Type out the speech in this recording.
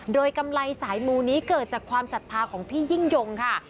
โดยกำไรสายมูนี้เกิดจากความศรัทธาของพี่ยิ่งยงค่ะ